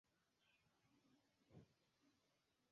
Kion deziras diri al mi tiu ĉi ĉarma junulo? Ni vidu!